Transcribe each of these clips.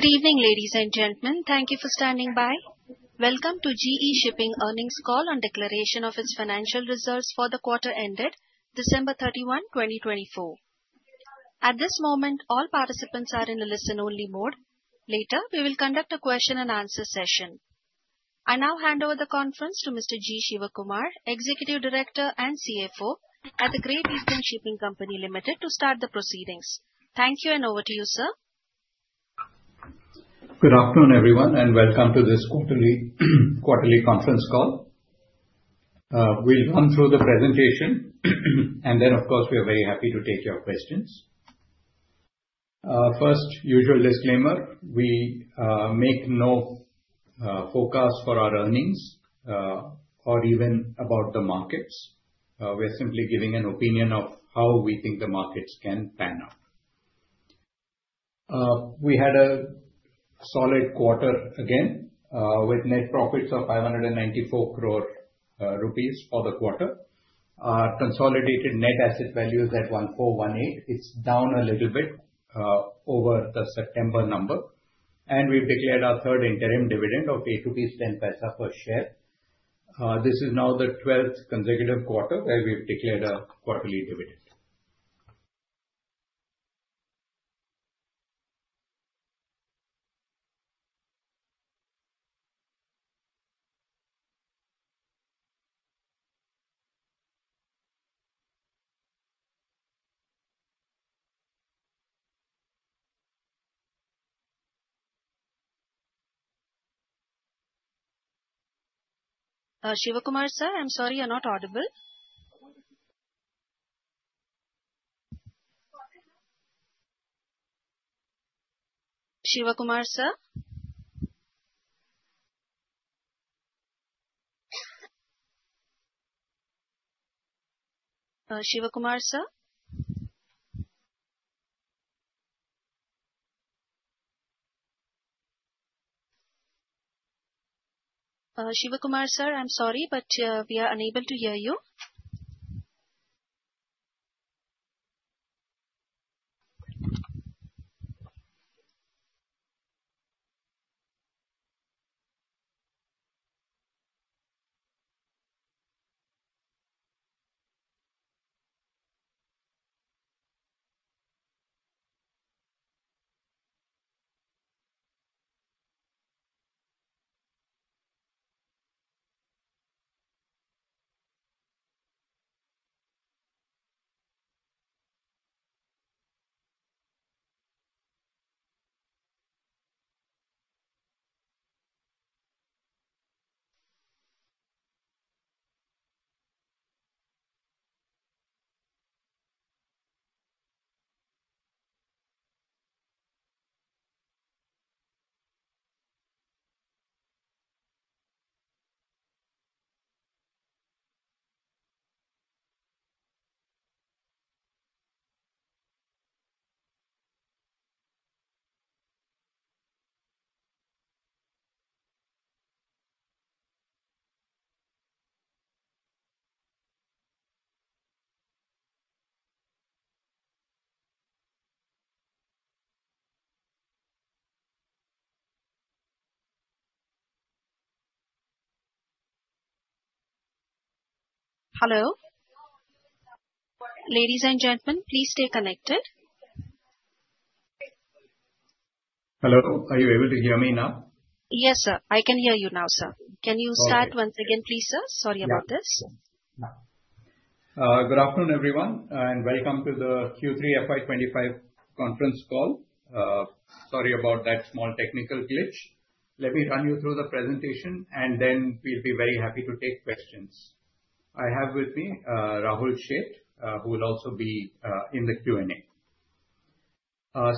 Good evening, ladies and gentlemen. Thank you for standing by. Welcome to GE Shipping earnings call on declaration of its financial results for the quarter ended, December 31, 2024. At this moment, all participants are in the listen-only mode. Later, we will conduct a question-and-answer session. I now hand over the conference to Mr. G. Shivakumar, Executive Director and CFO at The Great Eastern Shipping Company Limited, to start the proceedings. Thank you, and over to you, sir. Good afternoon, everyone, and welcome to this quarterly conference call. We'll run through the presentation, and then, of course, we are very happy to take your questions. First, usual disclaimer, we make no forecast for our earnings or even about the markets. We're simply giving an opinion of how we think the markets can pan out. We had a solid quarter again, with net profits of 594 crore rupees for the quarter. Our consolidated net asset value is at 1418. It's down a little bit over the September number. And we've declared our third interim dividend of rupees 8.10 per share. This is now the 12th consecutive quarter where we've declared a quarterly dividend. Shivakumar sir, I'm sorry you're not audible. Shivakumar sir? Shivakumar sir? Shivakumar sir, I'm sorry, but we are unable to hear you. Hello. Ladies and gentlemen, please stay connected. Hello. Are you able to hear me now? Yes, sir. I can hear you now, sir. Can you start once again, please, sir? Sorry about this. Good afternoon, everyone, and welcome to the Q3 FY 2025 conference call. Sorry about that small technical glitch. Let me run you through the presentation, and then we'll be very happy to take questions. I have with me Rahul Sheth, who will also be in the Q&A.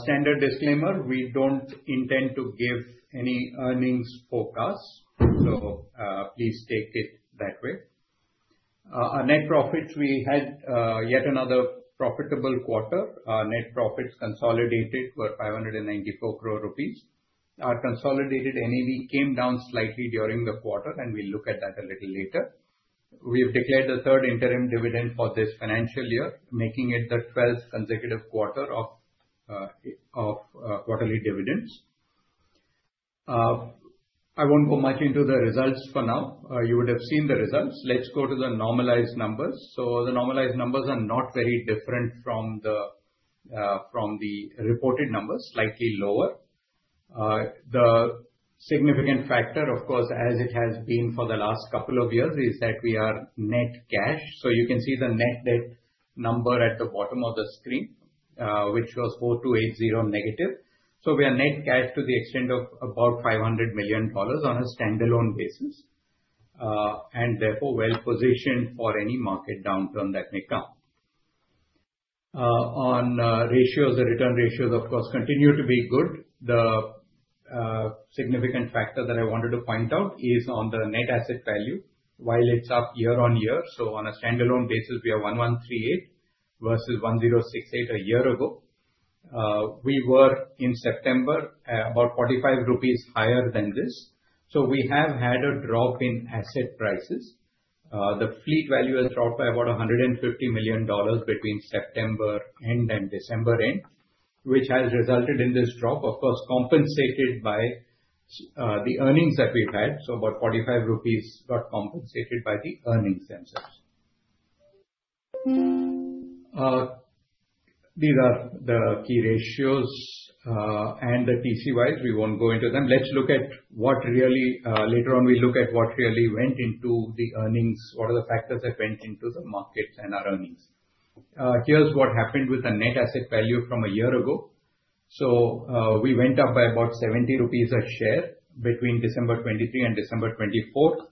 Standard disclaimer, we don't intend to give any earnings forecasts, so please take it that way. Our net profits, we had yet another profitable quarter. Our net profits consolidated were 594 crore rupees. Our consolidated NAV came down slightly during the quarter, and we'll look at that a little later. We have declared the third interim dividend for this financial year, making it the 12th consecutive quarter of quarterly dividends. I won't go much into the results for now. You would have seen the results. Let's go to the normalized numbers. The normalized numbers are not very different from the reported numbers, slightly lower. The significant factor, of course, as it has been for the last couple of years, is that we are net cash. So you can see the net debt number at the bottom of the screen, which was 4,280 negative. So we are net cash to the extent of about $500 million on a standalone basis, and therefore well-positioned for any market downturn that may come. On ratios, the return ratios, of course, continue to be good. The significant factor that I wanted to point out is on the net asset value. While it's up year-on-year, so on a standalone basis, we are 1,138 versus 1,068 a year ago. We were, in September, about 45 rupees higher than this. So we have had a drop in asset prices. The fleet value has dropped by about $150 million between September end and December end, which has resulted in this drop, of course, compensated by the earnings that we've had. So about 45 rupees got compensated by the earnings themselves. These are the key ratios and the TCEs. We won't go into them. Let's look at what really later on, we'll look at what really went into the earnings, what are the factors that went into the markets and our earnings. Here's what happened with the net asset value from a year ago. So we went up by about 70 rupees a share between December 2023 and December 2024,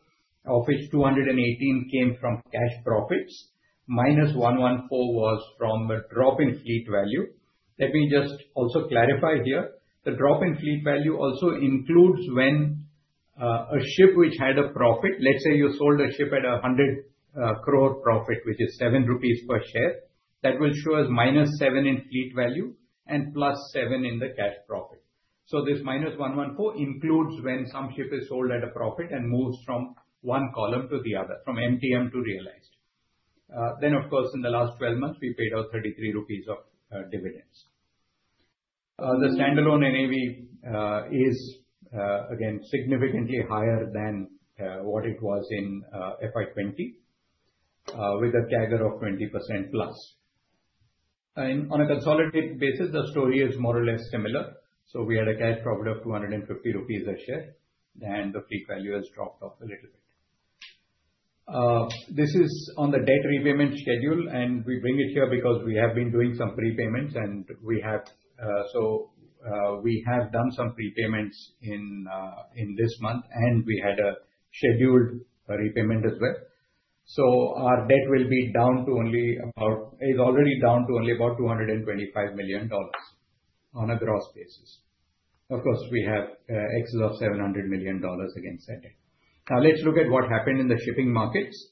of which 218 came from cash profits, minus 114 was from a drop in fleet value. Let me just also clarify here. The drop in fleet value also includes when a ship which had a profit, let's say you sold a ship at a 100 crore profit, which is 7 rupees per share, that will show as minus seven in fleet value and plus seven in the cash profit. So this minus 114 includes when some ship is sold at a profit and moves from one column to the other, from MTM to realized. Then, of course, in the last 12 months, we paid out 33 rupees of dividends. The standalone NAV is, again, significantly higher than what it was in FY 2020, with a CAGR of 20%+. On a consolidated basis, the story is more or less similar. So we had a cash profit of 250 rupees a share, and the fleet value has dropped off a little bit. This is on the debt repayment schedule, and we bring it here because we have been doing some prepayments, and we have done some prepayments in this month, and we had a scheduled repayment as well. So our debt is already down to only about $225 million on a gross basis. Of course, we have excess of $700 million against that debt. Now, let's look at what happened in the shipping markets.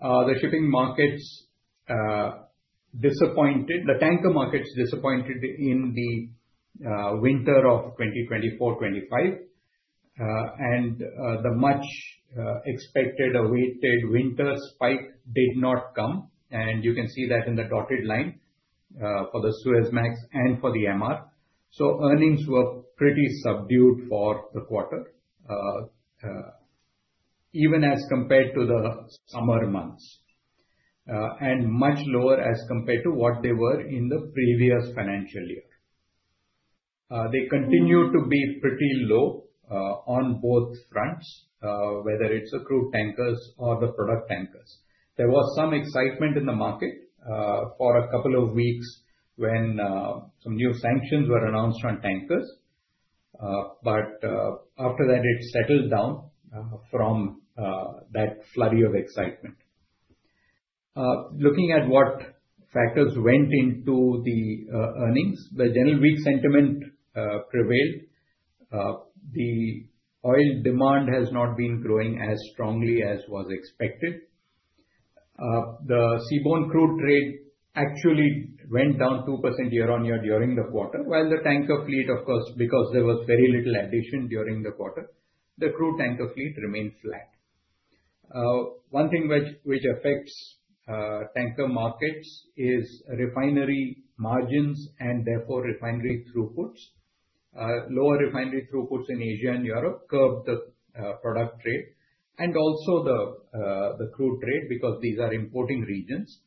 The shipping markets and the tanker markets disappointed in the winter of 2024-2025, and the much-awaited winter spike did not come. You can see that in the dotted line for the Suezmax and for the MR. Earnings were pretty subdued for the quarter, even as compared to the summer months, and much lower as compared to what they were in the previous financial year. They continue to be pretty low on both fronts, whether it's the crude tankers or the product tankers. There was some excitement in the market for a couple of weeks when some new sanctions were announced on tankers, but after that, it settled down from that flurry of excitement. Looking at what factors went into the earnings, the general weak sentiment prevailed. The oil demand has not been growing as strongly as was expected. The seaborne crude trade actually went down 2% year-on-year during the quarter, while the tanker fleet, of course, because there was very little addition during the quarter, the crude tanker fleet remained flat. One thing which affects tanker markets is refinery margins and therefore refinery throughputs. Lower refinery throughputs in Asia and Europe curb the product trade and also the crude trade because these are importing regions.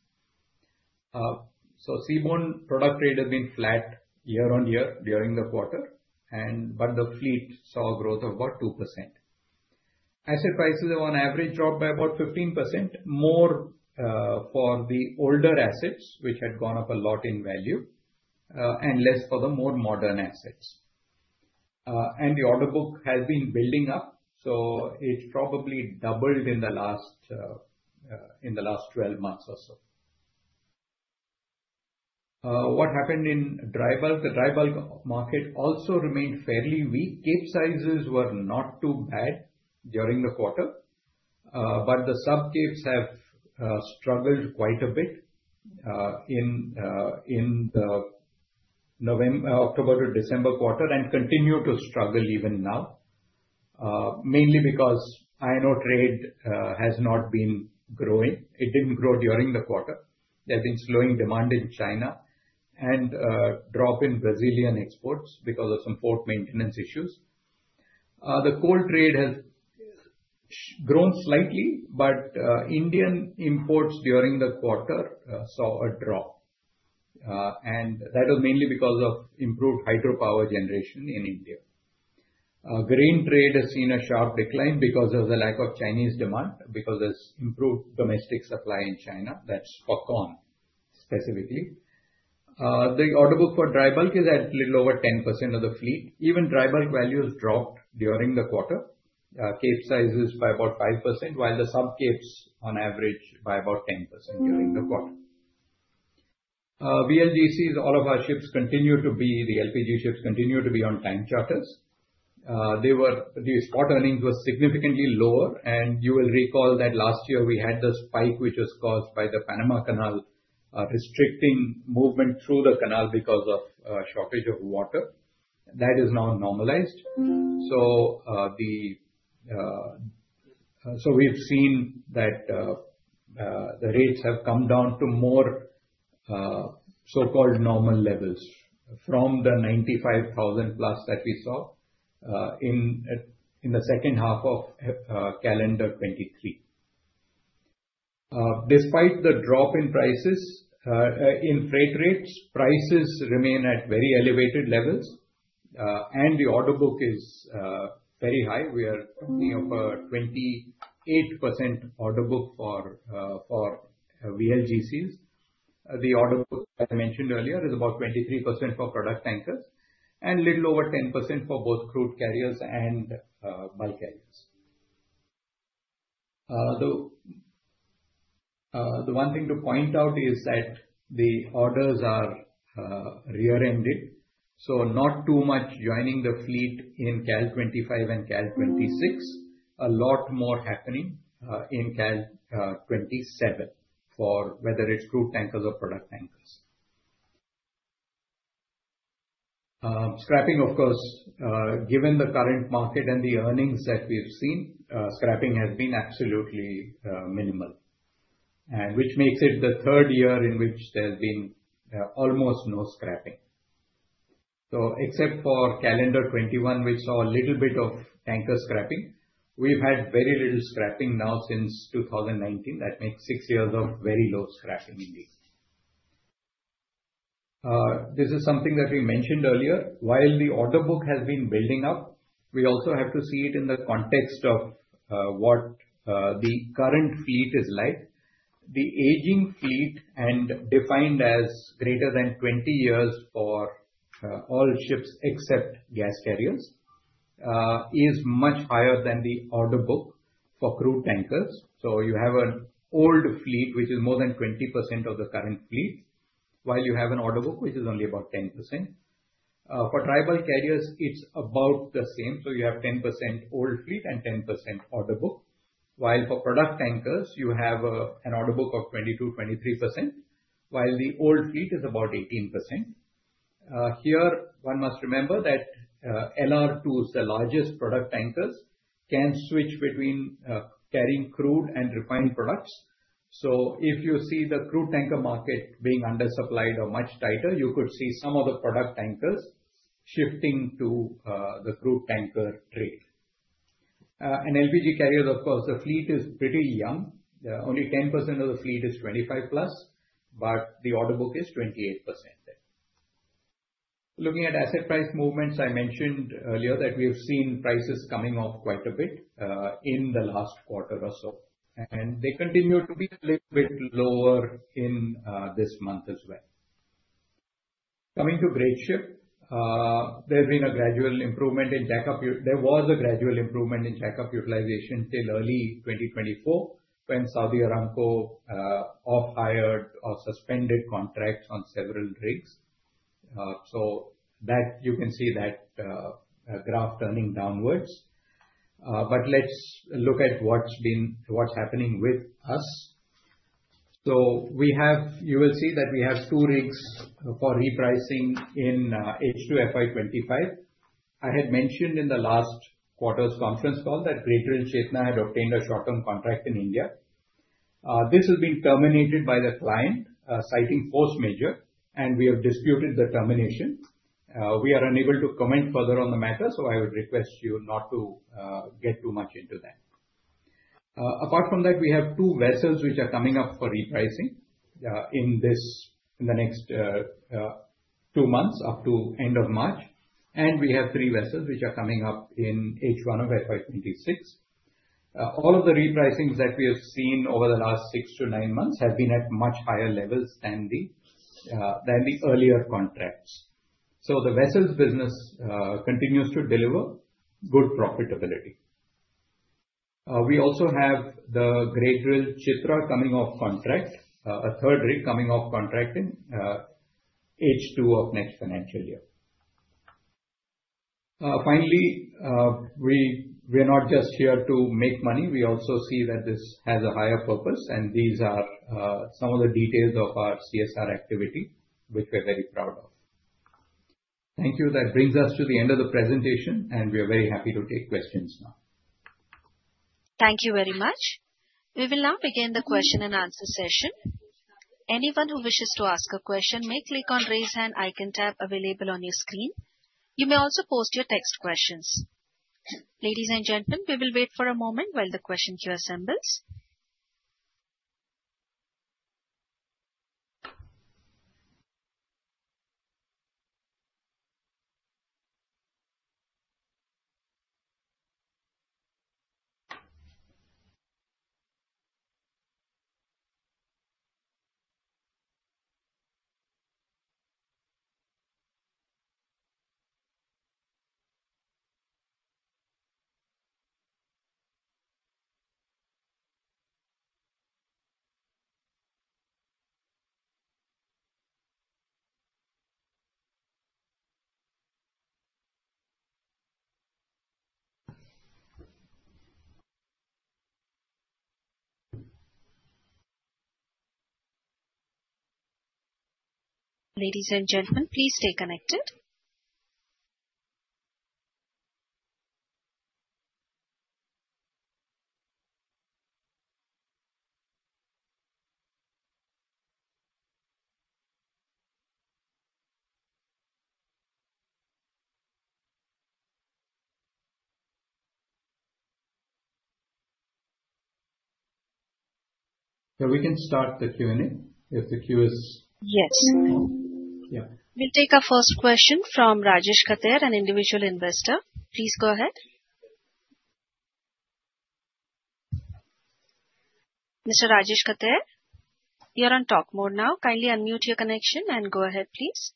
So seaborne product trade has been flat year-on-year during the quarter, but the fleet saw a growth of about 2%. Asset prices have on average dropped by about 15%, more for the older assets, which had gone up a lot in value, and less for the more modern assets. And the order book has been building up, so it's probably doubled in the last 12 months or so. What happened in dry bulk? The dry bulk market also remained fairly weak. Capesize vessels were not too bad during the quarter, but the sub-Capes have struggled quite a bit in the October to December quarter and continue to struggle even now, mainly because iron ore trade has not been growing. It didn't grow during the quarter. There's been slowing demand in China and a drop in Brazilian exports because of some port maintenance issues. The coal trade has grown slightly, but Indian imports during the quarter saw a drop, and that was mainly because of improved hydropower generation in India. Grain trade has seen a sharp decline because of the lack of Chinese demand, because there's improved domestic supply in China. That's PACON specifically. The orderbook for dry bulk is at a little over 10% of the fleet. Even dry bulk values dropped during the quarter. Capesize by about 5%, while the sub-Capesize on average by about 10% during the quarter. VLGCs, all of our ships, the LPG ships, continue to be on time charters. The spot earnings were significantly lower, and you will recall that last year we had the spike which was caused by the Panama Canal restricting movement through the canal because of shortage of water. That is now normalized. We've seen that the rates have come down to more so-called normal levels from the $95,000+ that we saw in the second half of calendar 2023. Despite the drop in prices in freight rates, prices remain at very elevated levels, and the order book is very high. We are looking at a 28% order book for VLGCs. The order book I mentioned earlier is about 23% for product tankers and a little over 10% for both crude carriers and bulk carriers. The one thing to point out is that the orders are rear-ended, so not too much joining the fleet in 2025 and 2026, a lot more happening in 2027, whether it's crude tankers or product tankers. Scrapping, of course, given the current market and the earnings that we've seen, scrapping has been absolutely minimal, which makes it the third year in which there's been almost no scrapping. So except for calendar 2021, which saw a little bit of tanker scrapping, we've had very little scrapping now since 2019. That makes six years of very low scrapping indeed. This is something that we mentioned earlier. While the order book has been building up, we also have to see it in the context of what the current fleet is like. The aging fleet defined as greater than 20 years for all ships except gas carriers is much higher than the order book for crude tankers. So you have an old fleet, which is more than 20% of the current fleet, while you have an order book, which is only about 10%. For dry bulk carriers, it's about the same. So you have 10% old fleet and 10% order book, while for product tankers, you have an order book of 22%, 23%, while the old fleet is about 18%. Here, one must remember that LR2s, the largest product tankers, can switch between carrying crude and refined products. So if you see the crude tanker market being undersupplied or much tighter, you could see some of the product tankers shifting to the crude tanker trade. And LPG carriers, of course, the fleet is pretty young. Only 10% of the fleet is 25+, but the order book is 28%. Looking at asset price movements, I mentioned earlier that we have seen prices coming off quite a bit in the last quarter or so, and they continue to be a little bit lower in this month as well. Coming to Greatship, there's been a gradual improvement in jackup. There was a gradual improvement in jackup utilization till early 2024 when Saudi Aramco off-hired or suspended contracts on several rigs. So you can see that graph turning downwards. But let's look at what's happening with us. So you will see that we have two rigs for repricing in H2 FY 2025. I had mentioned in the last quarter's conference call that Greatdrill Chetna had obtained a short-term contract in India. This has been terminated by the client, citing force majeure, and we have disputed the termination. We are unable to comment further on the matter, so I would request you not to get too much into that. Apart from that, we have two vessels which are coming up for repricing in the next two months up to end of March, and we have three vessels which are coming up in H1 of FY 2026. All of the repricings that we have seen over the last six to nine months have been at much higher levels than the earlier contracts. So the vessels business continues to deliver good profitability. We also have the Greatdrill Chitra coming off contract, a third rig coming off contract in H2 of next financial year. Finally, we are not just here to make money. We also see that this has a higher purpose, and these are some of the details of our CSR activity, which we're very proud of. Thank you. That brings us to the end of the presentation, and we are very happy to take questions now. Thank you very much. We will now begin the question and answer session. Anyone who wishes to ask a question may click on the raise hand icon tab available on your screen. You may also post your text questions. Ladies and gentlemen, we will wait for a moment while the question queue assembles. Ladies and gentlemen, please stay connected. Yeah, we can start the Q&A if the queue is. Yes. We'll take a first question from Rajesh Khater, an individual investor. Please go ahead. Mr. Rajesh Khater, you're on talk mode now. Kindly unmute your connection and go ahead, please.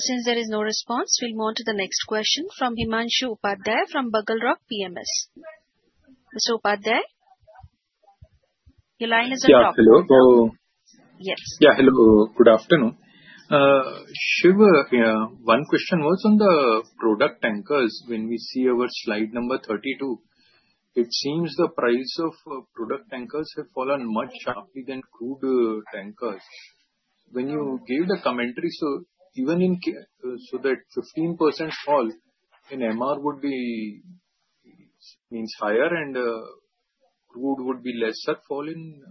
Since there is no response, we'll move on to the next question from Himanshu Upadhyay from BugleRock PMS. Mr. Upadhyay, your line is on. Hello. Good afternoon. One question was on the product tankers. When we see our slide number 32, it seems the price of product tankers has fallen much sharply than crude tankers. When you gave the commentary, so that 15% fall in MR would mean higher and crude would be lesser fall in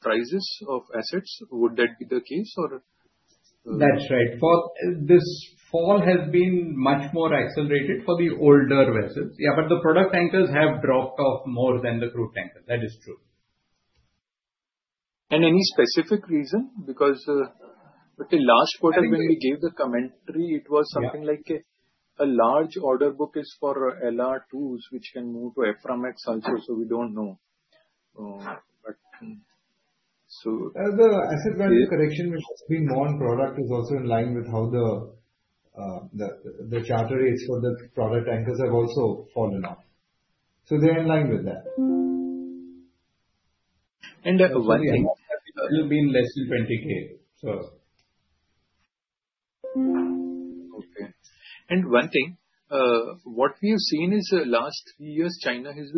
prices of assets. Would that be the case, or? That's right. This fall has been much more accelerated for the older vessels. Yeah, but the product tankers have dropped off more than the crude tankers. That is true. And any specific reason? Because the last quarter, when we gave the commentary, it was something like a large order book is for LR2s, which can move to Aframax also, so we don't know. But so. The asset value correction, which has been more on product, is also in line with how the charter rates for the product tankers have also fallen off. So they're in line with that. And one thing. It will be in less than 20,000. So. Okay. And one thing, what we have seen is last three years, China has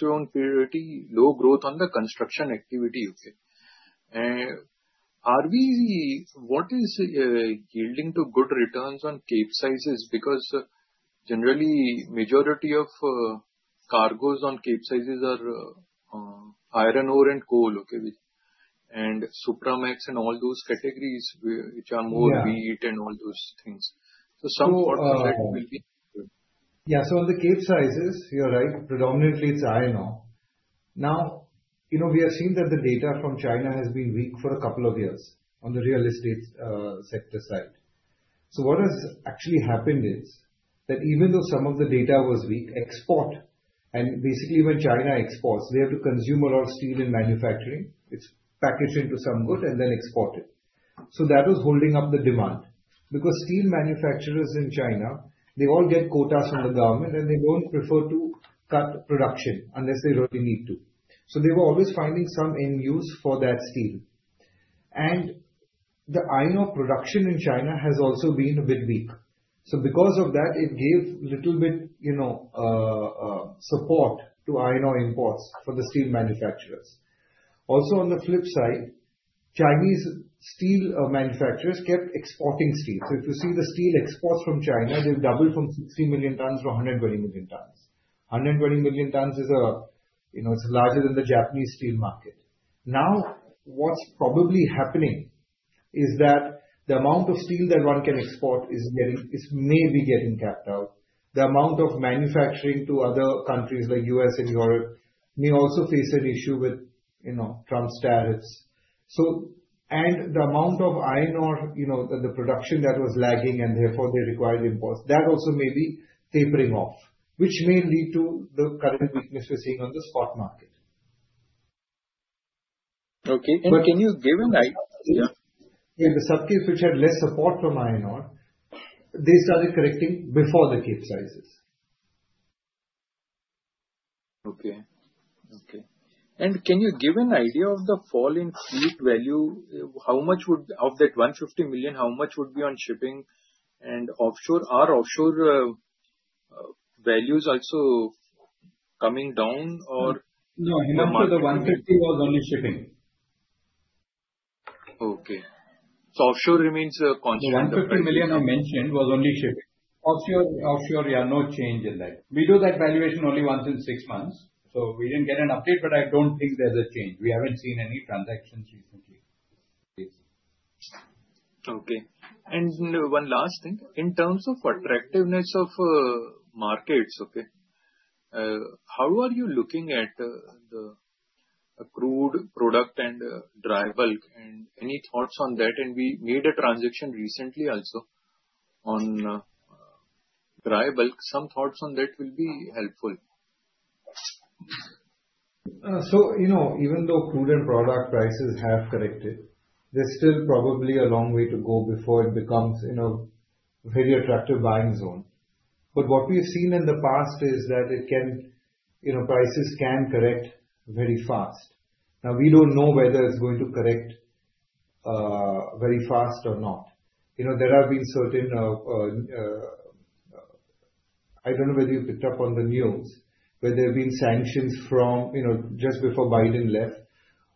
shown pretty low growth on the construction activity here. What is yielding to good returns on Capesize? Because generally, the majority of cargoes on Capesize are iron ore and coal, and Supramax and all those categories, which are more wheat and all those things. So some thoughts on that will be good. Yeah, so on the Capesize, you're right. Predominantly, it's iron ore. Now, we have seen that the data from China has been weak for a couple of years on the real estate sector side. So what has actually happened is that even though some of the data was weak, export, and basically when China exports, they have to consume a lot of steel in manufacturing. It's packaged into some good and then exported. So that was holding up the demand because steel manufacturers in China, they all get quotas from the government, and they don't prefer to cut production unless they really need to. So they were always finding some end use for that steel. The iron ore production in China has also been a bit weak. So because of that, it gave a little bit of support to iron ore imports for the steel manufacturers. Also, on the flip side, Chinese steel manufacturers kept exporting steel. So if you see the steel exports from China, they've doubled from 60 million tons to 120 million tons. 120 million tons is larger than the Japanese steel market. Now, what's probably happening is that the amount of steel that one can export may be getting capped out. The amount of manufacturing to other countries like the U.S. and Europe may also face an issue with Trump's tariffs. And the amount of iron ore, the production that was lagging, and therefore they required imports, that also may be tapering off, which may lead to the current weakness we're seeing on the spot market. Okay. But can you give an idea? In the subcase which had less support from iron ore, they started correcting before the Capesize. Okay. Okay. And can you give an idea of the fall in fleet value? How much would have of that $150 million, how much would be on shipping and offshore? Are offshore values also coming down or? No, enough of the $150 million was only shipping. Okay. So offshore remains a constant. The $150 million I mentioned was only shipping. Offshore, yeah, no change in that. We do that valuation only once in six months. So we didn't get an update, but I don't think there's a change. We haven't seen any transactions recently. Okay. And one last thing. In terms of attractiveness of markets, okay, how are you looking at the crude, product and dry bulk and any thoughts on that? We made a transaction recently also on dry bulk. Some thoughts on that will be helpful. Even though crude and product prices have corrected, there's still probably a long way to go before it becomes a very attractive buying zone. What we have seen in the past is that prices can correct very fast. Now, we don't know whether it's going to correct very fast or not. There have been certain, I don't know whether you picked up on the news, where there have been sanctions just before Biden left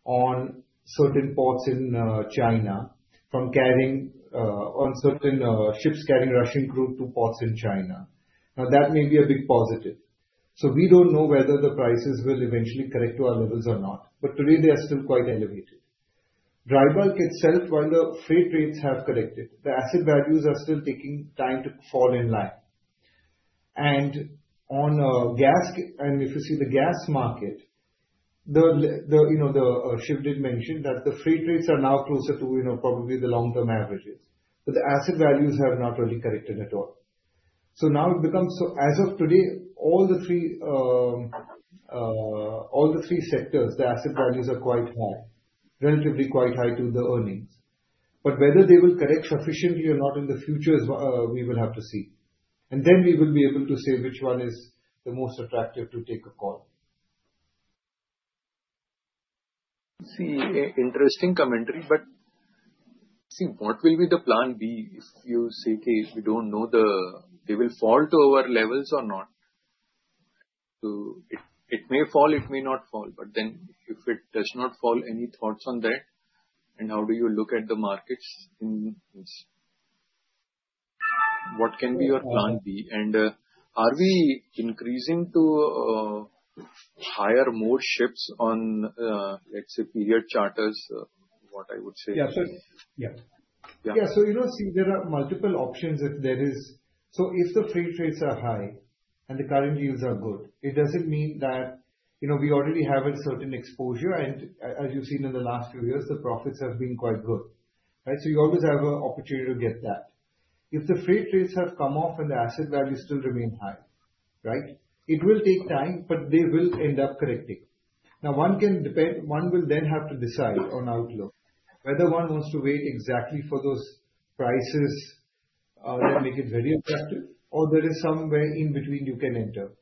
on certain ports in China from carrying on certain ships carrying Russian crude to ports in China. Now, that may be a big positive. We don't know whether the prices will eventually correct to our levels or not, but today they are still quite elevated. Dry bulk itself, while the freight rates have corrected, the asset values are still taking time to fall in line, and on gas, and if you see the gas market, the ship did mention that the freight rates are now closer to probably the long-term averages, but the asset values have not really corrected at all, so now it becomes, so as of today, all the three sectors, the asset values are quite high, relatively quite high to the earnings, but whether they will correct sufficiently or not in the future is what we will have to see, and then we will be able to say which one is the most attractive to take a call. See, interesting commentary, but see, what will be the plan B if you say, "Okay, we don't know they will fall to our levels or not?" So it may fall, it may not fall, but then if it does not fall, any thoughts on that and how do you look at the markets? What can be your plan B? And are we increasing to hire more ships on, let's say, period charters, what I would say? Yeah, sir. Yeah. Yeah. So you know, see, there are multiple options if there is, so if the freight rates are high and the current yields are good, it doesn't mean that we already have a certain exposure, and as you've seen in the last few years, the profits have been quite good, right? So you always have an opportunity to get that. If the freight rates have come off and the asset values still remain high, right, it will take time, but they will end up correcting. Now, one will then have to decide on outlook, whether one wants to wait exactly for those prices that make it very attractive, or there is somewhere in between you can enter.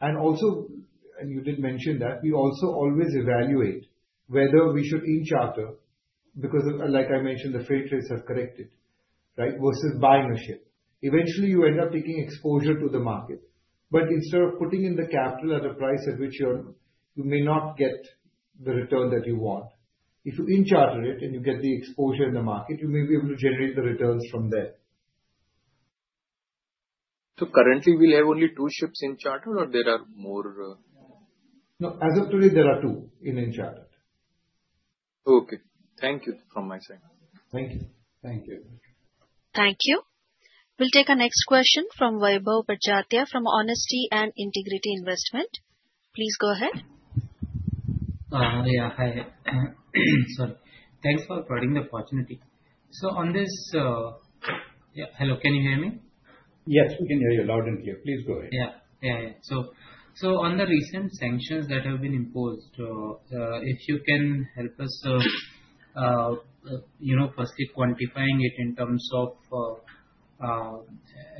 And also, and you did mention that, we also always evaluate whether we should in-charter because, like I mentioned, the freight rates have corrected, right, versus buying a ship. Eventually, you end up taking exposure to the market, but instead of putting in the capital at a price at which you may not get the return that you want, if you in-charter it and you get the exposure in the market, you may be able to generate the returns from there. So currently, we'll have only two ships in-charter or there are more? No, as of today, there are two in-charter. Okay. Thank you from my side. Thank you. Thank you. Thank you. We'll take a next question from Vaibhav Badjatya from Honesty and Integrity Investment. Please go ahead. Yeah. Hi. Sorry. Thanks for providing the opportunity. So on this yeah hello. Can you hear me? Yes, we can hear you loud and clear. Please go ahead. Yeah. Yeah, yeah. So on the recent sanctions that have been imposed, if you can help us firstly quantifying it in terms of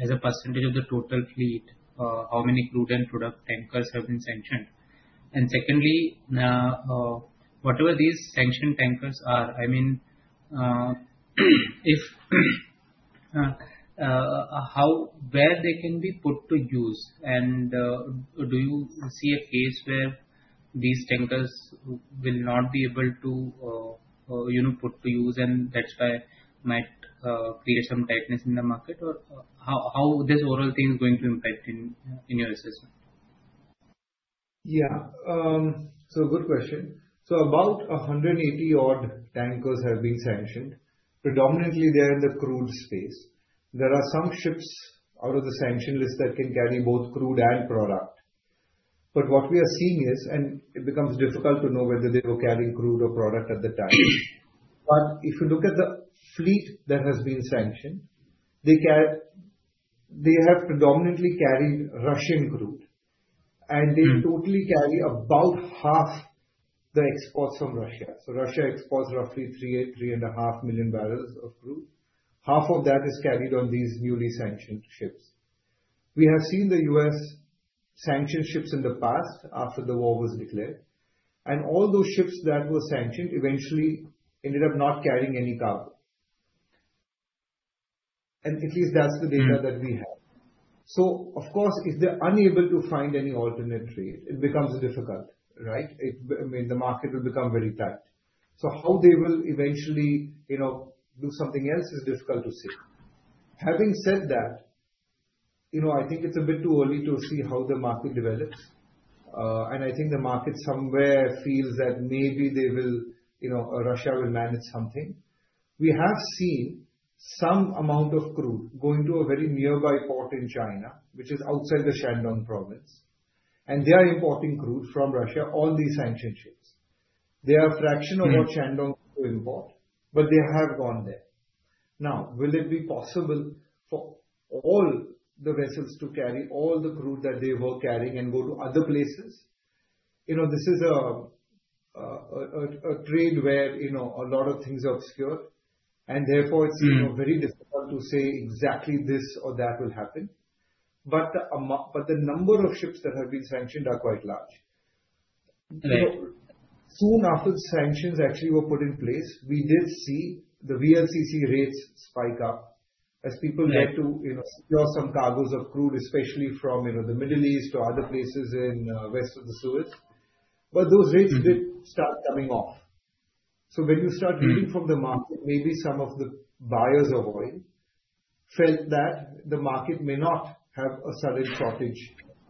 as a percentage of the total fleet, how many crude and product tankers have been sanctioned? And secondly, whatever these sanctioned tankers are, I mean, where they can be put to use? And do you see a case where these tankers will not be able to put to use and that's why it might create some tightness in the market? Or how this overall thing is going to impact in your assessment? Yeah. So good question. So about 180-odd tankers have been sanctioned. Predominantly, they're in the crude space. There are some ships out of the sanction list that can carry both crude and product. But what we are seeing is, and it becomes difficult to know whether they were carrying crude or product at the time. But if you look at the fleet that has been sanctioned, they have predominantly carried Russian crude, and they totally carry about half the exports from Russia. So Russia exports roughly 3.5 million barrels of crude. Half of that is carried on these newly sanctioned ships. We have seen the U.S. sanction ships in the past after the war was declared. And all those ships that were sanctioned eventually ended up not carrying any cargo. At least that's the data that we have. Of course, if they're unable to find any alternate trade, it becomes difficult, right? I mean, the market will become very tight. How they will eventually do something else is difficult to say. Having said that, I think it's a bit too early to see how the market develops. I think the market somewhere feels that maybe Russia will manage something. We have seen some amount of crude going to a very nearby port in China, which is outside the Shandong Province. They are importing crude from Russia on these sanctioned ships. They are a fraction of what Shandong will import, but they have gone there. Now, will it be possible for all the vessels to carry all the crude that they were carrying and go to other places? This is a trade where a lot of things are obscured, and therefore it's very difficult to say exactly this or that will happen. But the number of ships that have been sanctioned are quite large. Soon after the sanctions actually were put in place, we did see the VLGC rates spike up as people had to secure some cargos of crude, especially from the Middle East or other places in West of the Suez. But those rates did start coming off. So when you start reading from the market, maybe some of the buyers of oil felt that the market may not have a sudden shortage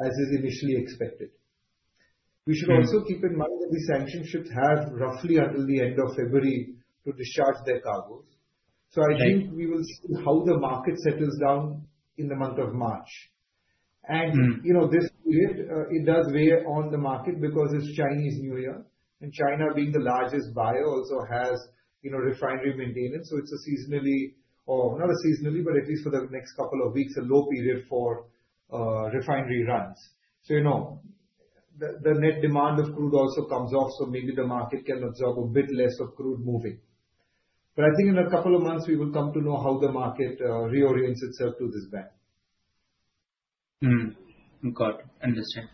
as is initially expected. We should also keep in mind that these sanctioned ships have roughly until the end of February to discharge their cargos. So I think we will see how the market settles down in the month of March. This period, it does weigh on the market because it's Chinese New Year, and China being the largest buyer also has refinery maintenance. It's a seasonally, or not a seasonally, but at least for the next couple of weeks, a low period for refinery runs. The net demand of crude also comes off, so maybe the market can absorb a bit less of crude moving. I think in a couple of months, we will come to know how the market reorients itself to this ban. Got it. Understood.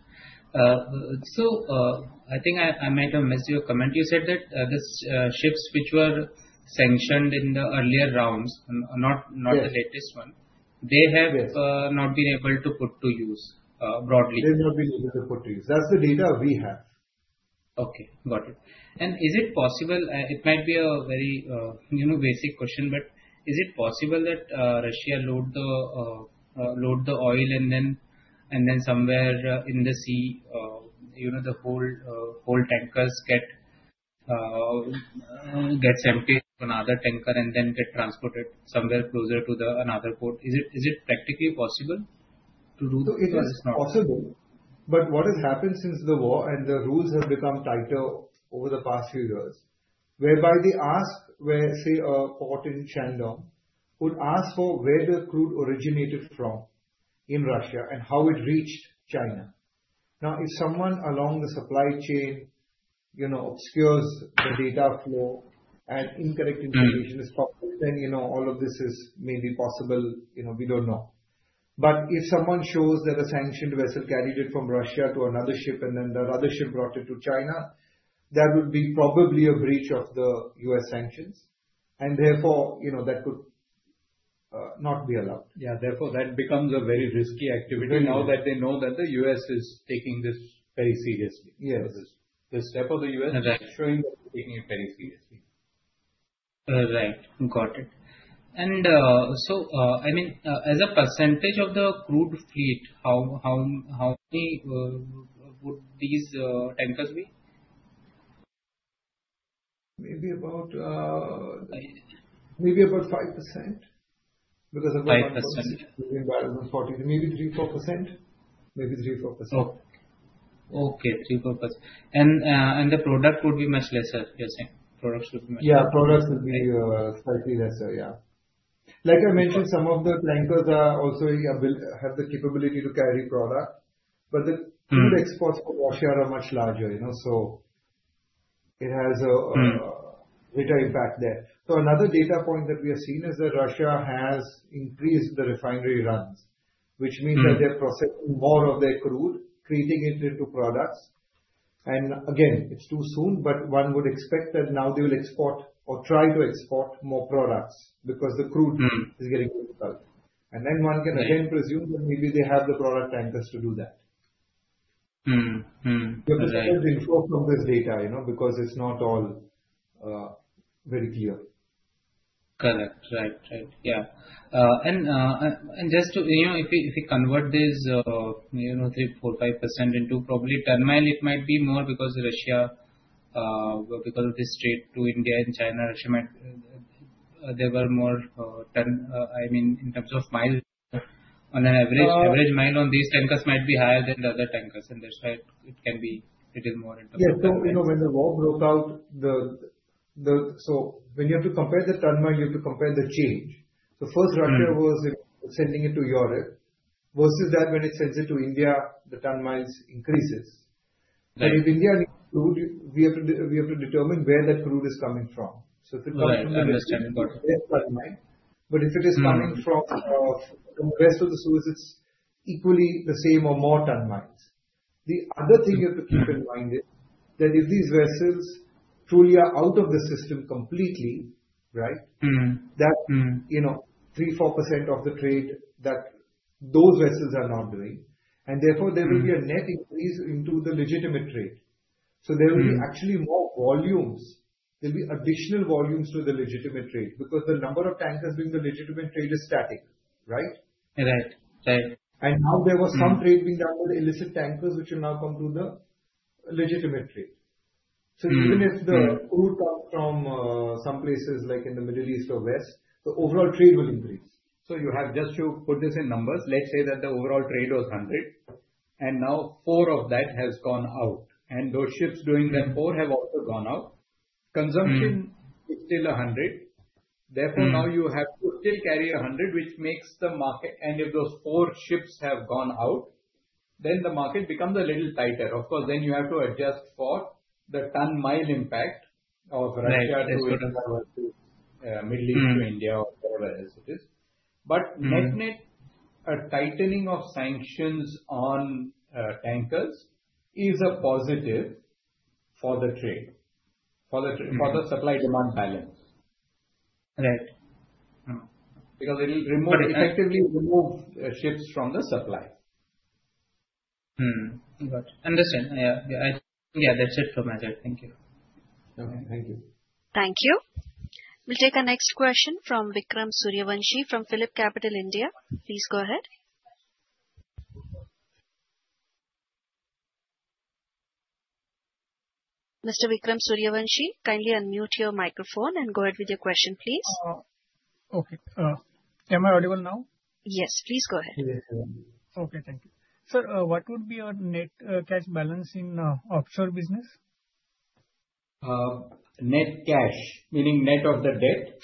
I think I might have missed your comment. You said that the ships which were sanctioned in the earlier rounds, not the latest one, they have not been able to put to use broadly. They have not been able to put to use. That's the data we have. Okay. Got it. Is it possible? It might be a very basic question, but is it possible that Russia load the oil and then somewhere in the sea, the whole tankers get emptied to another tanker and then get transported somewhere closer to another port? Is it practically possible to do that? So it is possible. But what has happened since the war and the rules have become tighter over the past few years, whereby they ask, say, a port in Shandong would ask for where the crude originated from in Russia and how it reached China. Now, if someone along the supply chain obscures the data flow and incorrect information is published, then all of this is maybe possible. We don't know. But if someone shows that a sanctioned vessel carried it from Russia to another ship and then that other ship brought it to China, that would be probably a breach of the U.S. sanctions. And therefore, that could not be allowed. Yeah. Therefore, that becomes a very risky activity now that they know that the U.S. is taking this very seriously. Yes. The step of the U.S. is showing that they're taking it very seriously. Right. Got it. And so, I mean, as a percentage of the crude fleet, how many would these tankers be? Maybe about 5% because of what I'm seeing in the 40s. Maybe 3%-4%. Maybe 3%-4%. Okay. 3%-4%. And the product would be much lesser, you're saying? Products would be much lesser. Yeah. Products would be slightly lesser, yeah. Like I mentioned, some of the tankers also have the capability to carry product, but the crude exports to Russia are much larger. So it has a greater impact there. So another data point that we have seen is that Russia has increased the refinery runs, which means that they're processing more of their crude, creating it into products. And again, it's too soon, but one would expect that now they will export or try to export more products because the crude is getting difficult. And then one can again presume that maybe they have the product tankers to do that. We have to see the inflow from this data because it's not all very clear. Correct. Right, right. Yeah. Just to, if you convert this 3%-5% into probably tonne-mile, it might be more because of this trade to India and China, there were more, I mean, in terms of miles, on an average, average mile on these tankers might be higher than the other tankers. That's why it can be a little more in terms of miles. Yeah. When the war broke out, when you have to compare the ton-mile, you have to compare the change. First, Russia was sending it to Europe. Versus that, when it sends it to India, the ton-miles increase. But if India needs crude, we have to determine where that crude is coming from. So if it comes from the western hemisphere, but if it is coming from the west of Suez, it's equally the same or more ton-miles. The other thing you have to keep in mind is that if these vessels truly are out of the system completely, right? That 3%-4% of the trade that those vessels are not doing, and therefore there will be a net increase into the legitimate trade, so there will be actually more volumes. There'll be additional volumes to the legitimate trade because the number of tankers doing the legitimate trade is static, right? Right, right, and now there was some trade being done with illicit tankers, which will now come to the legitimate trade, so even if the crude comes from some places like in the Middle East or West, the overall trade will increase, so just to put this in numbers, let's say that the overall trade was 100, and now four of that have gone out. And those ships doing that four have also gone out. Consumption is still 100. Therefore, now you have to still carry 100, which makes the market. And if those four ships have gone out, then the market becomes a little tighter. Of course, then you have to adjust for the ton-mile impact of Russia to Middle East to India or wherever else it is. But net-net, a tightening of sanctions on tankers is a positive for the trade, for the supply-demand balance. Right. Because it'll effectively remove ships from the supply. Got it. Understood. Yeah. Yeah. That's it from my side. Thank you. Thank you. Thank you. We'll take a next question from Vikram Suryavanshi from PhillipCapital India. Please go ahead. Mr. Vikram Suryavanshi, kindly unmute your microphone and go ahead with your question, please. Okay. Am I audible now? Yes. Please go ahead. Okay. Thank you. Sir, what would be your net cash balance in offshore business? Net cash, meaning net of the debt?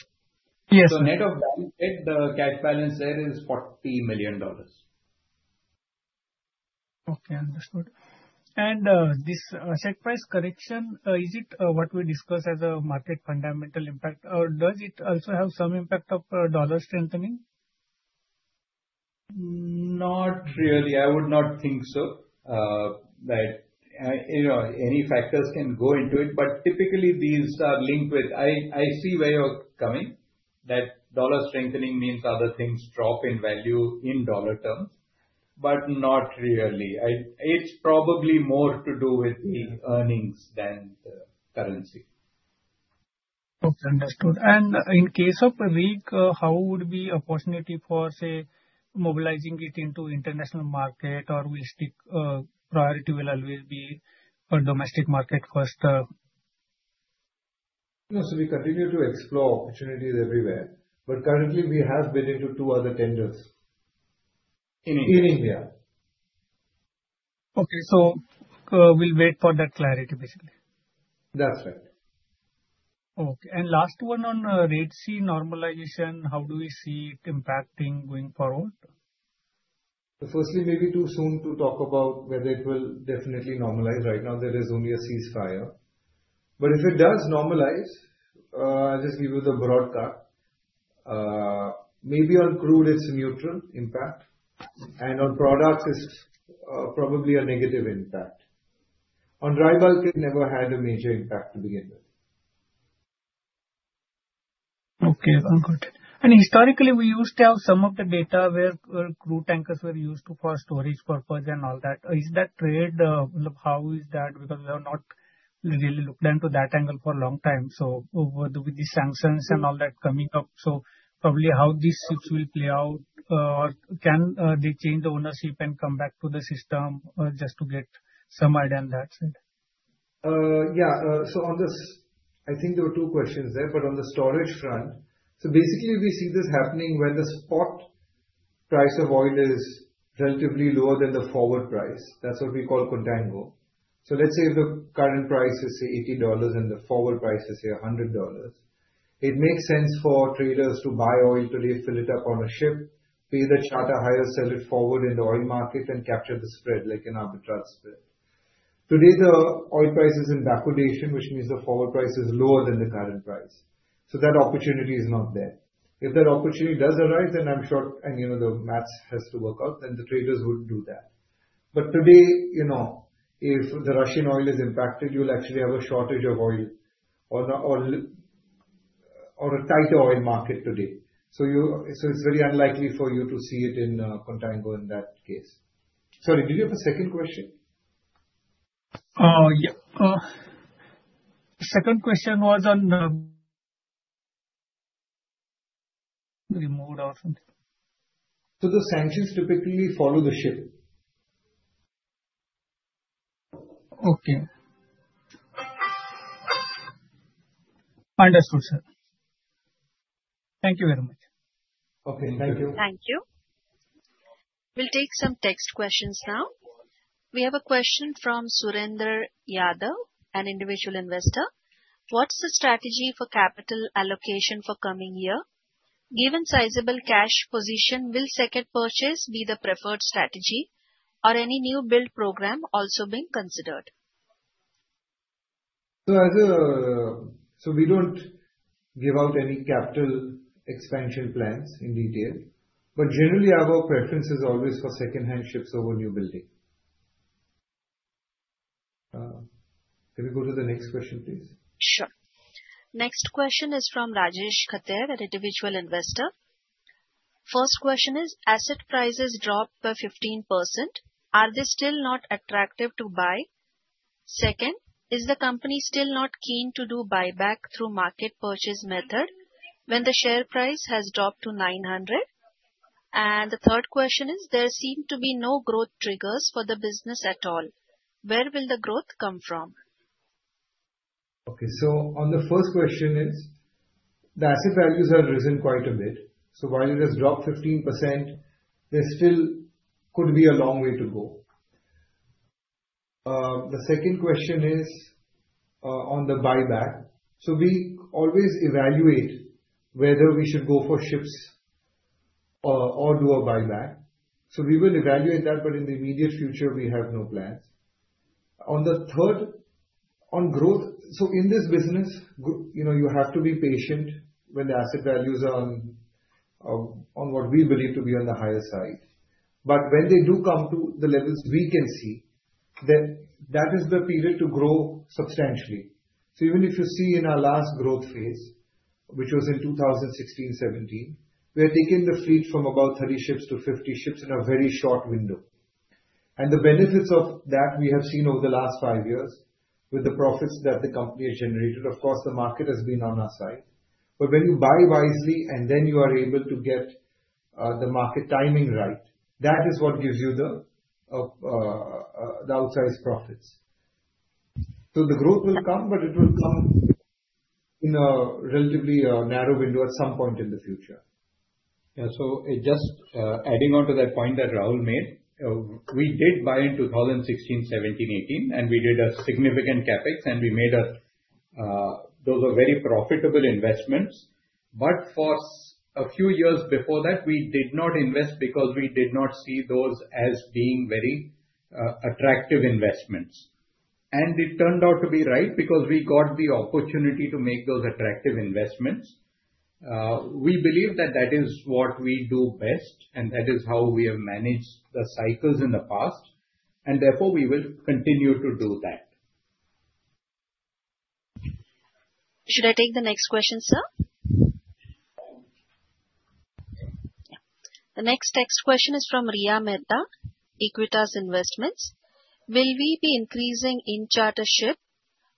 Yes. So net of the debt, the cash balance there is $40 million. Okay. Understood. And this share price correction, is it what we discussed as a market fundamental impact, or does it also have some impact of dollar strengthening? Not really. I would not think so. Any factors can go into it, but typically, these are linked with I see where you're coming, that dollar strengthening means other things drop in value in dollar terms, but not really. It's probably more to do with the earnings than the currency. Okay. Understood. And in case of a weak, how would be opportunity for, say, mobilizing it into international market, or will priority always be domestic market first? So we continue to explore opportunities everywhere. But currently, we have been into two other tenders in India. Okay. So we'll wait for that clarity, basically. That's right. Okay. And last one on Red Sea normalization, how do we see it impacting going forward? Firstly, maybe too soon to talk about whether it will definitely normalize. Right now, there is only a ceasefire. But if it does normalize, I'll just give you the broad cut. Maybe on crude, it's a neutral impact. And on products, it's probably a negative impact. On dry bulk, it never had a major impact to begin with. Okay. Got it. And historically, we used to have some of the data where crude tankers were used for storage purpose and all that. Is that trade? How is that? Because we have not really looked into that angle for a long time. So with these sanctions and all that coming up, so probably how these ships will play out, or can they change the ownership and come back to the system just to get some idea and that's it? Yeah. So I think there were two questions there, but on the storage front, so basically, we see this happening where the spot price of oil is relatively lower than the forward price. That's what we call contango. So let's say the current price is, say, $80 and the forward price is, say, $100. It makes sense for traders to buy oil today, fill it up on a ship, pay the charter hire, sell it forward in the oil market, and capture the spread like an arbitrage spread. Today, the oil price is in backwardation, which means the forward price is lower than the current price. So that opportunity is not there. If that opportunity does arise, then I'm sure, and the math has to work out, then the traders would do that. But today, if the Russian oil is impacted, you'll actually have a shortage of oil or a tighter oil market today. So it's very unlikely for you to see it in contango in that case. Sorry, did you have a second question? Yeah. Second question was on the removal or something. So the sanctions typically follow the ship. Okay. Understood, sir. Thank you very much. Okay. Thank you. Thank you. We'll take some text questions now. We have a question from Surinder Yadav, an individual investor. What's the strategy for capital allocation for coming year? Given sizable cash position, will second purchase be the preferred strategy, or any new build program also being considered? So we don't give out any capital expansion plans in detail, but generally, our preference is always for secondhand ships over new building. Can we go to the next question, please? Sure. Next question is from Rajesh Khater, an individual investor. First question is, asset prices dropped by 15%. Are they still not attractive to buy? Second, is the company still not keen to do buyback through market purchase method when the share price has dropped to 900? And the third question is, there seem to be no growth triggers for the business at all. Where will the growth come from? Okay. So on the first question is, the asset values have risen quite a bit. So while it has dropped 15%, there still could be a long way to go. The second question is on the buyback. So we always evaluate whether we should go for ships or do a buyback. So we will evaluate that, but in the immediate future, we have no plans. On the third, on growth, so in this business, you have to be patient when the asset values are on what we believe to be on the higher side. But when they do come to the levels we can see, that is the period to grow substantially. So even if you see in our last growth phase, which was in 2016, 2017, we had taken the fleet from about 30 ships to 50 ships in a very short window. And the benefits of that we have seen over the last five years with the profits that the company has generated, of course, the market has been on our side. But when you buy wisely and then you are able to get the market timing right, that is what gives you the outsized profits. So the growth will come, but it will come in a relatively narrow window at some point in the future. Yeah. So just adding on to that point that Rahul made, we did buy in 2016, 2017, 2018, and we did a significant CapEx, and we made those very profitable investments. But for a few years before that, we did not invest because we did not see those as being very attractive investments. And it turned out to be right because we got the opportunity to make those attractive investments. We believe that that is what we do best, and that is how we have managed the cycles in the past. And therefore, we will continue to do that. Should I take the next question, sir? Yeah. The next text question is from Riya Mehta, Equitas Investments. Will we be increasing in-charter ships?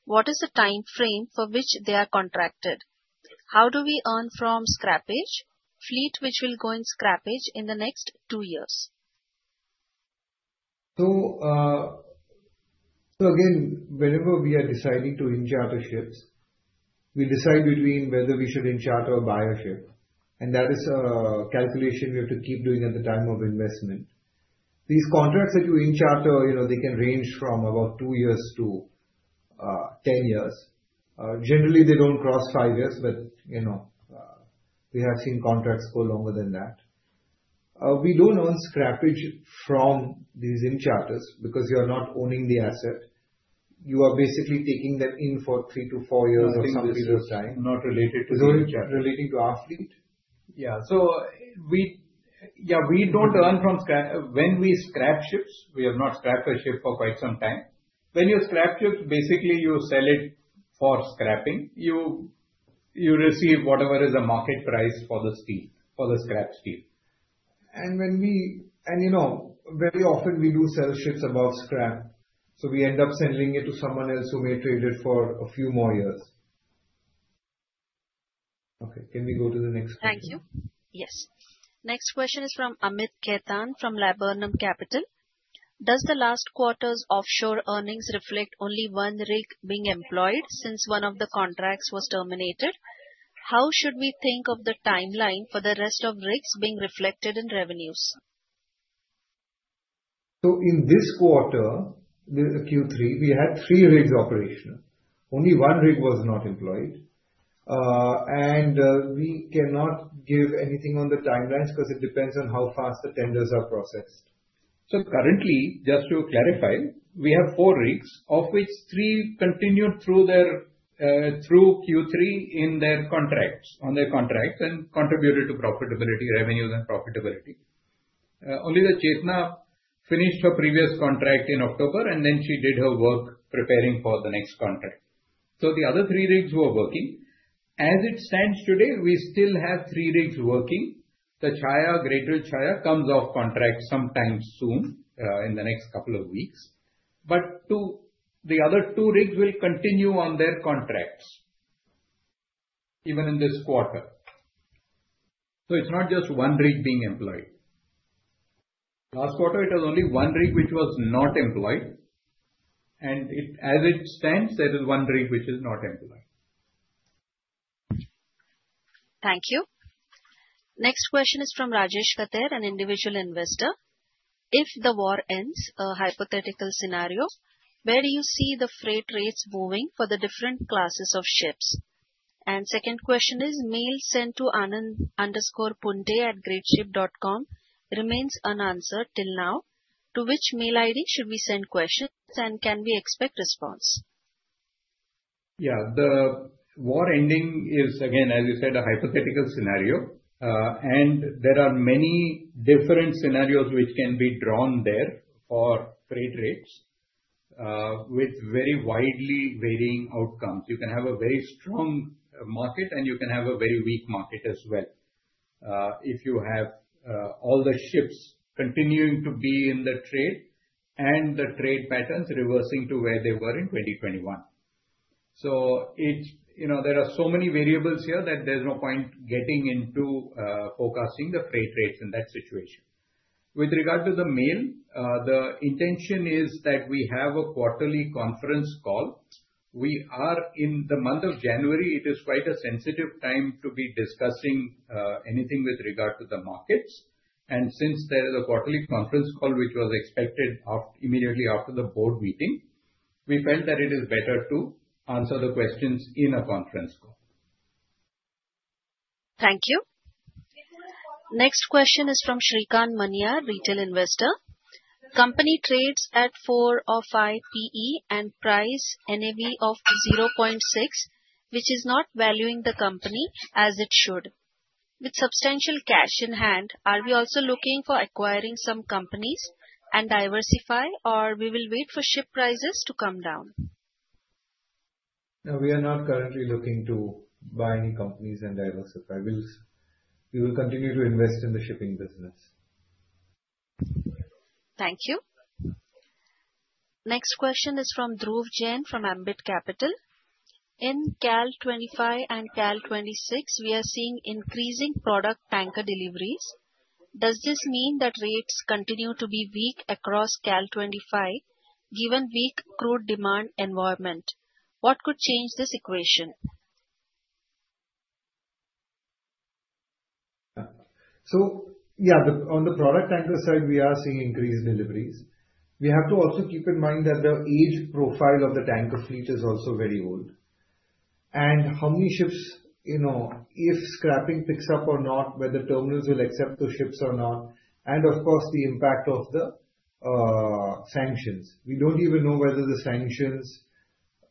What is the time frame for which they are contracted? How do we earn from scrappage fleet which will go in scrappage in the next two years? So again, whenever we are deciding to in-charter ships, we decide between whether we should in-charter or buy a ship. And that is a calculation we have to keep doing at the time of investment. These contracts that you in-charter, they can range from about two years to 10 years. Generally, they don't cross five years, but we have seen contracts go longer than that. We don't own scrappage from these in-charters because you are not owning the asset. You are basically taking them in for three to four years or some period of time. Not related to the in-charter. Relating to our fleet? Yeah. So yeah, we don't earn from when we scrap ships, we have not scrapped a ship for quite some time. When you scrap ships, basically, you sell it for scrapping. You receive whatever is a market price for the scrap steel. And very often, we do sell ships above scrap. So we end up sending it to someone else who may trade it for a few more years. Okay. Can we go to the next question? Thank you. Yes. Next question is from Amit Khetan from Laburnum Capital. Does the last quarter's offshore earnings reflect only one rig being employed since one of the contracts was terminated? How should we think of the timeline for the rest of rigs being reflected in revenues? So in this quarter, Q3, we had three rigs operational. Only one rig was not employed. We cannot give anything on the timelines because it depends on how fast the tenders are processed. Currently, just to clarify, we have four rigs, of which three continued through Q3 in their contracts and contributed to profitability, revenue, and profitability. Only the Greatdrill Chetna finished her previous contract in October, and then she did her work preparing for the next contract. The other three rigs were working. As it stands today, we still have three rigs working. The Chaaya, Greatdrill Chaaya comes off contract sometime soon in the next couple of weeks. The other two rigs will continue on their contracts even in this quarter. It's not just one rig being employed. Last quarter, it was only one rig which was not employed. As it stands, there is one rig which is not employed. Thank you. Next question is from Rajesh Khater, an individual investor. If the war ends, a hypothetical scenario, where do you see the freight rates moving for the different classes of ships? And second question is, mail sent to anand_punde@greatship.com remains unanswered till now. To which mail ID should we send questions and can we expect response? Yeah. The war ending is, again, as you said, a hypothetical scenario. And there are many different scenarios which can be drawn there for freight rates with very widely varying outcomes. You can have a very strong market, and you can have a very weak market as well if you have all the ships continuing to be in the trade and the trade patterns reversing to where they were in 2021. So there are so many variables here that there's no point getting into forecasting the freight rates in that situation. With regard to the mail, the intention is that we have a quarterly conference call. We are in the month of January. It is quite a sensitive time to be discussing anything with regard to the markets. And since there is a quarterly conference call which was expected immediately after the board meeting, we felt that it is better to answer the questions in a conference call. Thank you. Next question is from Shrikant Maniyar, retail investor. Company trades at 4 or 5 PE and price NAV of 0.6, which is not valuing the company as it should. With substantial cash in hand, are we also looking for acquiring some companies and diversify, or will we wait for ship prices to come down? We are not currently looking to buy any companies and diversify. We will continue to invest in the shipping business. Thank you. Next question is from Dhruv Jain from Ambit Capital. In Cal 2025 and Cal 2026, we are seeing increasing product tanker deliveries. Does this mean that rates continue to be weak across Cal 2025 given weak crude demand environment? What could change this equation? So yeah, on the product tanker side, we are seeing increased deliveries. We have to also keep in mind that the age profile of the tanker fleet is also very old. And how many ships, if scrapping picks up or not, whether terminals will accept the ships or not, and of course, the impact of the sanctions. We don't even know whether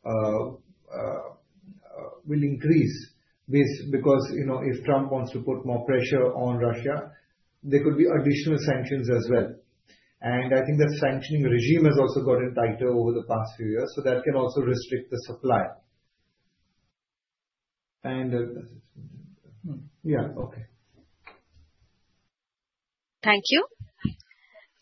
the sanctions will increase because if Trump wants to put more pressure on Russia, there could be additional sanctions as well. And I think the sanctioning regime has also gotten tighter over the past few years, so that can also restrict the supply. Yeah, okay. Thank you.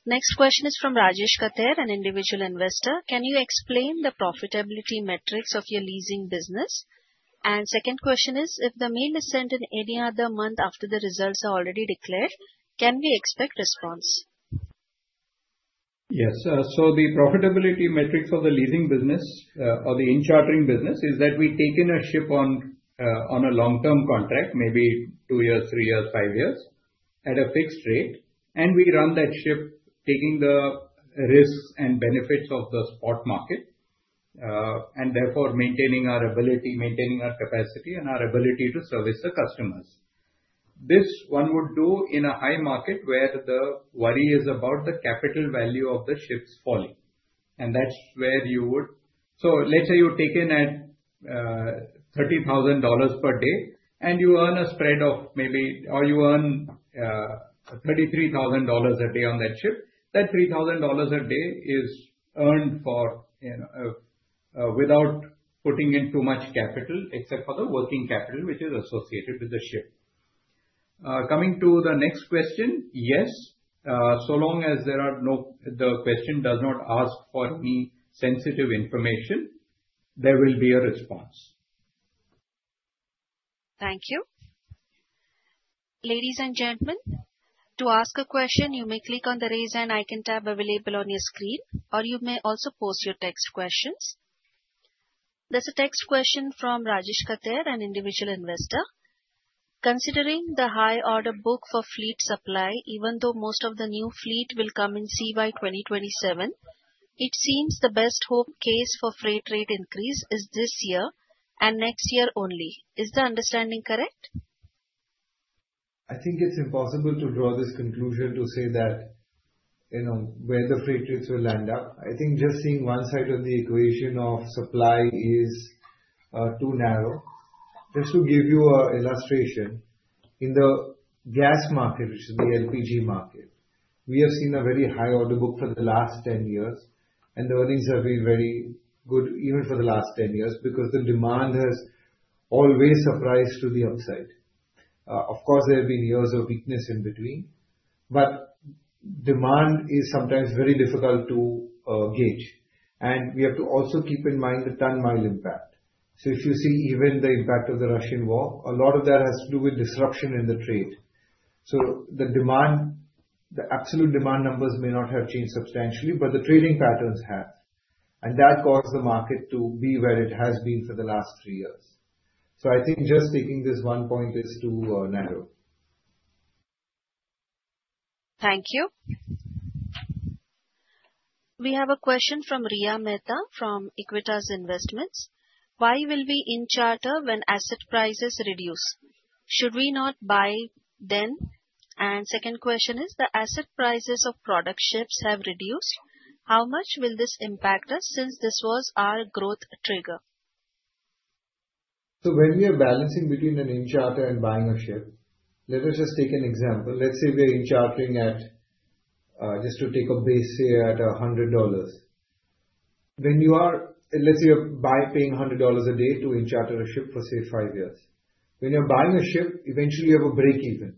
Next question is from Rajesh Khater, an individual investor. Can you explain the profitability metrics of your leasing business? And second question is, if the mail is sent in any other month after the results are already declared, can we expect response? Yes. The profitability metrics of the leasing business or the in-chartering business is that we take in a ship on a long-term contract, maybe two years, three years, five years at a fixed rate, and we run that ship taking the risks and benefits of the spot market and therefore maintaining our ability, maintaining our capacity, and our ability to service the customers. This one would do in a high market where the worry is about the capital value of the ships falling. And that's where you would so let's say you take in at $30,000 per day, and you earn a spread of maybe or you earn $33,000 a day on that ship. That $3,000 a day is earned without putting in too much capital except for the working capital which is associated with the ship. Coming to the next question, yes. So long as there are no the question does not ask for any sensitive information, there will be a response. Thank you. Ladies and gentlemen, to ask a question, you may click on the raise hand icon tab available on your screen, or you may also post your text questions. There's a text question from Rajesh Khater, an individual investor. Considering the high order book for fleet supply, even though most of the new fleet will come in service by 2027, it seems the best hope case for freight rate increase is this year and next year only. Is the understanding correct? I think it's impossible to draw this conclusion to say that where the freight rates will land up. I think just seeing one side of the equation of supply is too narrow. Just to give you an illustration, in the gas market, which is the LPG market, we have seen a very high order book for the last 10 years, and the earnings have been very good even for the last 10 years because the demand has always surprised to the upside. Of course, there have been years of weakness in between, but demand is sometimes very difficult to gauge. We have to also keep in mind the ton-mile impact. If you see even the impact of the Russian war, a lot of that has to do with disruption in the trade. The absolute demand numbers may not have changed substantially, but the trading patterns have. That caused the market to be where it has been for the last three years. I think just taking this one point is too narrow. Thank you. We have a question from Riya Mehta from Equitas Investments. Why will we in-charter when asset prices reduce? Should we not buy then? Second question is, the asset prices of product ships have reduced. How much will this impact us since this was our growth trigger? When we are balancing between an in-charter and buying a ship, let us just take an example. Let's say we are in-chartering, just to take a base here at $100. Let's say you're paying $100 a day to in-charter a ship for, say, five years. When you're buying a ship, eventually, you have a breakeven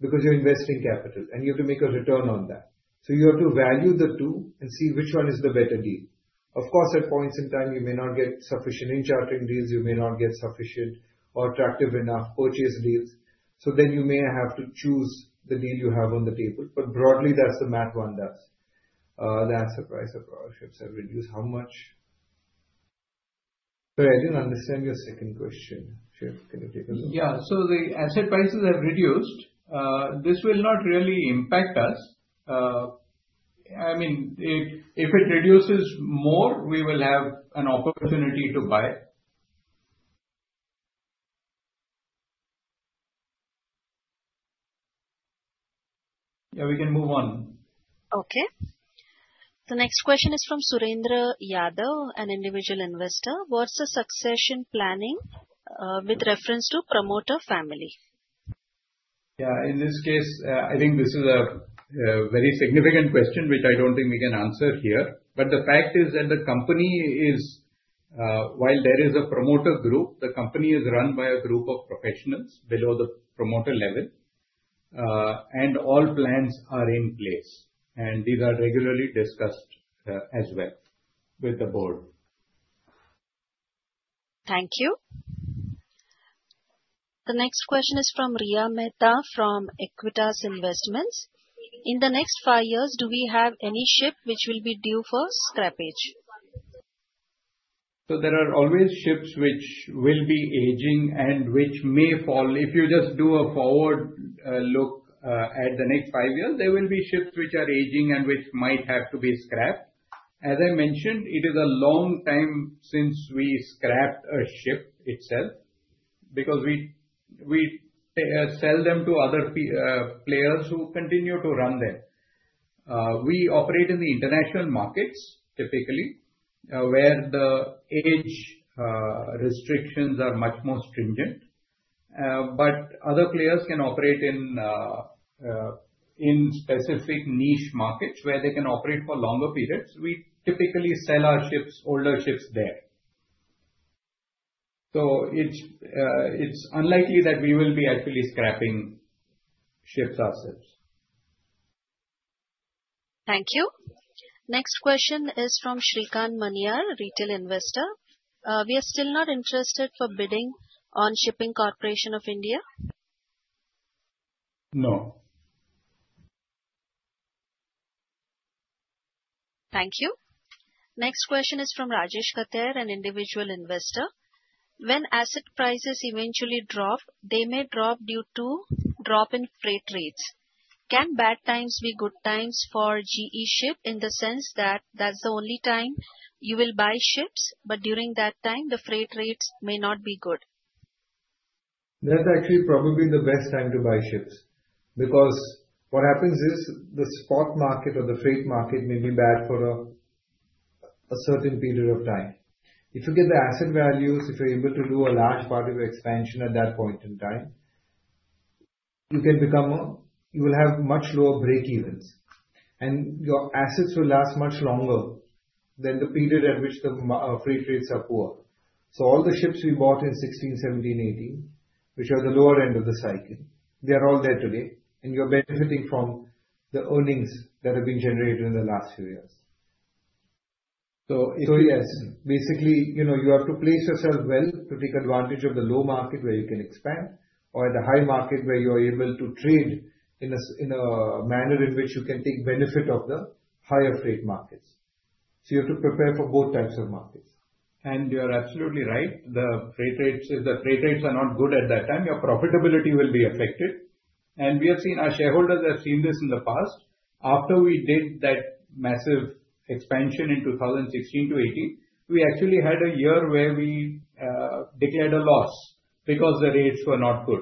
because you're investing capital, and you have to make a return on that, so you have to value the two and see which one is the better deal. Of course, at points in time, you may not get sufficient in-chartering deals. You may not get sufficient or attractive enough purchase deals, so then you may have to choose the deal you have on the table. But broadly, that's the math one does. The asset price of our ships have reduced. How much? Sorry, I didn't understand your second question. Sure. Can you take a look? Yeah, so the asset prices have reduced. This will not really impact us. I mean, if it reduces more, we will have an opportunity to buy. Yeah, we can move on. Okay. The next question is from Surinder Yadav, an individual investor. What's the succession planning with reference to promoter family? Yeah. In this case, I think this is a very significant question, which I don't think we can answer here. But the fact is that the company is, while there is a promoter group, the company is run by a group of professionals below the promoter level, and all plans are in place. And these are regularly discussed as well with the board. Thank you. The next question is from Riya Mehta from Equitas Investments. In the next five years, do we have any ship which will be due for scrappage? So there are always ships which will be aging and which may fall. If you just do a forward look at the next five years, there will be ships which are aging and which might have to be scrapped. As I mentioned, it is a long time since we scrapped a ship itself because we sell them to other players who continue to run them. We operate in the international markets, typically, where the age restrictions are much more stringent. But other players can operate in specific niche markets where they can operate for longer periods. We typically sell our older ships there. So it's unlikely that we will be actually scrapping ships ourselves. Thank you. Next question is from Shrikant Maniyar, retail investor. We are still not interested for bidding on Shipping Corporation of India. No. Thank you. Next question is from Rajesh Khater, an individual investor. When asset prices eventually drop, they may drop due to drop in freight rates. Can bad times be good times for GE Shipping in the sense that that's the only time you will buy ships, but during that time, the freight rates may not be good? That's actually probably the best time to buy ships because what happens is the spot market or the freight market may be bad for a certain period of time. If you get the asset values, if you're able to do a large part of your expansion at that point in time, you will have much lower breakevens, and your assets will last much longer than the period at which the freight rates are poor. So all the ships we bought in 2016, 2017, 2018, which are the lower end of the cycle, they are all there today, and you're benefiting from the earnings that have been generated in the last few years. So yes, basically, you have to place yourself well to take advantage of the low market where you can expand or the high market where you are able to trade in a manner in which you can take benefit of the higher freight markets. So you have to prepare for both types of markets. And you're absolutely right. If the freight rates are not good at that time, your profitability will be affected. And we have seen our shareholders have seen this in the past. After we did that massive expansion in 2016 to 2018, we actually had a year where we declared a loss because the rates were not good.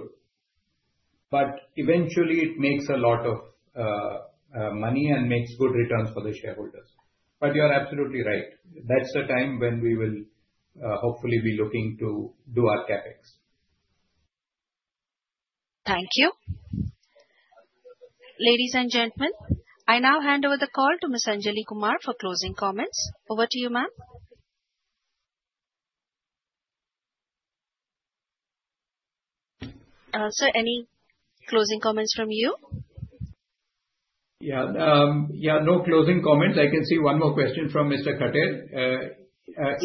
But eventually, it makes a lot of money and makes good returns for the shareholders. But you're absolutely right. That's the time when we will hopefully be looking to do our CapEx. Thank you. Ladies and gentlemen, I now hand over the call to Ms. Anjali Kumar for closing comments. Over to you, ma'am. Also, any closing comments from you? Yeah. Yeah, no closing comments. I can see one more question from Mr. Khetan.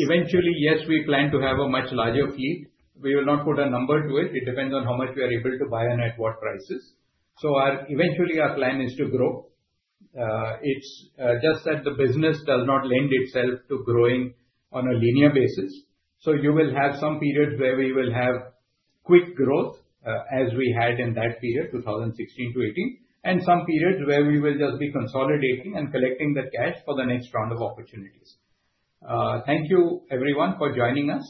Eventually, yes, we plan to have a much larger fleet. We will not put a number to it. It depends on how much we are able to buy and at what prices. So eventually, our plan is to grow. It's just that the business does not lend itself to growing on a linear basis. So you will have some periods where we will have quick growth as we had in that period, 2016 to 2018, and some periods where we will just be consolidating and collecting the cash for the next round of opportunities. Thank you, everyone, for joining us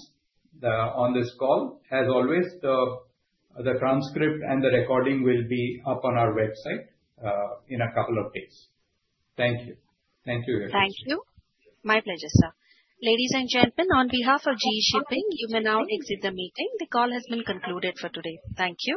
on this call. As always, the transcript and the recording will be up on our website in a couple of days. Thank you. Thank you, Rajesh. Thank you. My pleasure, sir. Ladies and gentlemen, on behalf of GE Shipping, you may now exit the meeting. The call has been concluded for today. Thank you.